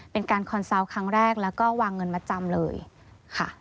เป็นการคอนเซาต์ครั้งแรกแล้วก็วางเงินมาจำเลยค่ะ